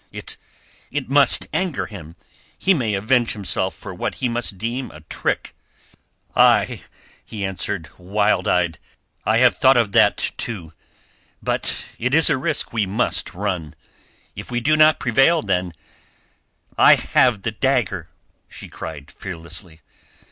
"It... it must anger him. He may avenge himself for what he must deem a trick." "Ay," he answered, wild eyed. "I have thought of that, too. But it is a risk we must run. If we do not prevail, then—" "I have the dagger," she cried fearlessly.